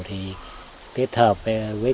thì kết hợp với